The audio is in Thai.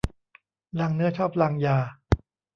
ลางเนื้อชอบลางยา